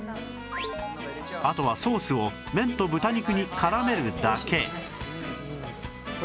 あとはソースを麺と豚肉にからめるだけ